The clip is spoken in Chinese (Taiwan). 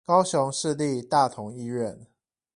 高雄市立大同醫院